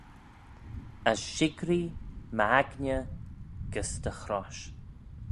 As shick'ree m'aigney gys dty chrosh.